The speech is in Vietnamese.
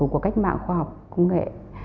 của cách mạng khoa học công nghệ